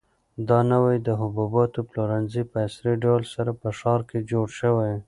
دا نوی د حبوباتو پلورنځی په عصري ډول سره په ښار کې جوړ شوی.